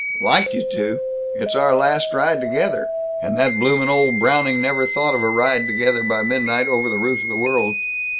"Like you to? It's our last ride together, and that bloomin' old Browning never thought of a ride together by midnight over the roof of the world!